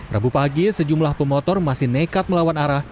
rabu pagi sejumlah pemotor masih nekat melawan arah